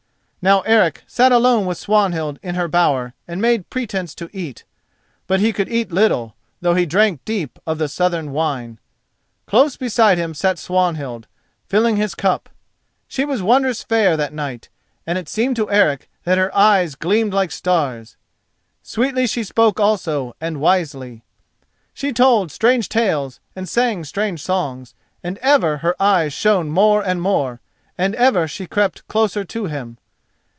Now Eric sat alone with Swanhild in her bower and made pretence to eat. But he could eat little, though he drank deep of the southern wine. Close beside him sat Swanhild, filling his cup. She was wondrous fair that night, and it seemed to Eric that her eyes gleamed like stars. Sweetly she spoke also and wisely. She told strange tales and she sang strange songs, and ever her eyes shone more and more, and ever she crept closer to him.